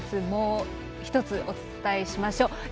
もう１つお伝えしましょう。